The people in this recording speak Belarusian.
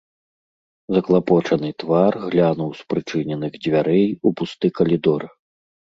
Заклапочаны твар глянуў з прычыненых дзвярэй у пусты калідор.